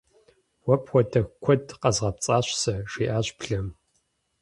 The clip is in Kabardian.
- Уэ пхуэдэ куэд къэзгъэпцӀащ сэ, - жиӏащ блэм.